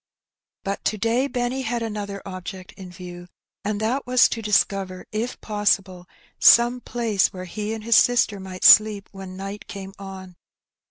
But to day Benny had another object in view, and that was to discover, if possible, some place where he and his sister might sleep when night came on.